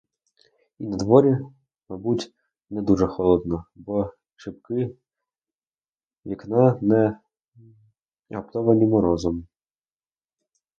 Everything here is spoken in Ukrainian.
І надворі, мабуть, не дуже холодно, бо шибки вікна не гаптовані морозом.